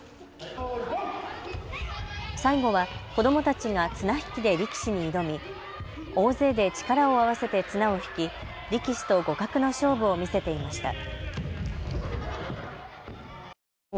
最後は子どもたちが綱引きで力士に挑み、大勢で力を合わせて綱を引き力士と互角の勝負を見せていました。